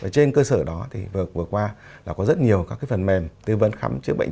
trên cơ sở đó vừa qua có rất nhiều phần mềm tư vấn khám chức bệnh